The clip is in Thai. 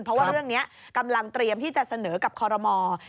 เพราะว่าเรื่องนี้กำลังเตรียมที่จะเสนอกับคอรมอล์